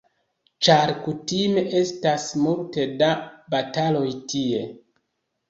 Ĉar kutime estas multe da bataloj tie.